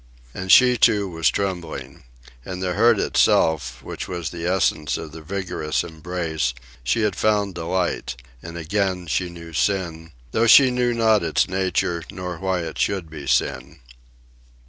And she, too, was trembling. In the hurt itself, which was the essence of the vigorous embrace, she had found delight; and again she knew sin, though she knew not its nature nor why it should be sin.